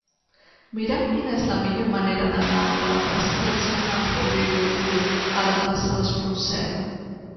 Mira'm quina és la millor manera d'anar de la plaça dels Germans Rubió i Bellver a la plaça d'Espronceda.